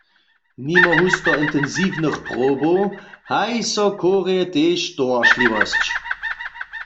Nimo husto intensiwnych probow haji so w chórje tež towaršliwosć.